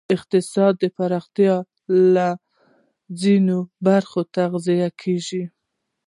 اقتصادي پراختیا له ځینو برخو تغذیه کېږی.